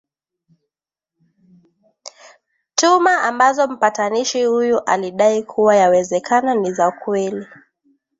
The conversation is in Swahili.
tuhma ambazo mpatanishi huyu alidai kuwa yawezekana ni za kweli